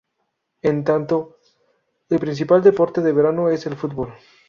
En tanto, el principal deporte de verano es el fútbol.